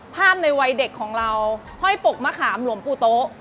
ในวัยเด็กของเราห้อยปกมะขามหลวงปู่โต๊ะ